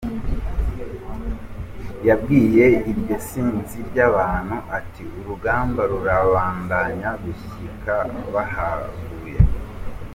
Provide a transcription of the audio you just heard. Yabwiye iryo sinzi ry'abantu ati:"Urugamba rurabandanya gushika bahavuye.